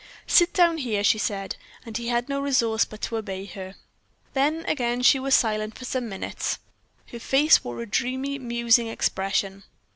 "Sit down here," she said, and he had no resource but to obey her. Then again she was silent for some minutes; her face wore a dreamy, musing expression.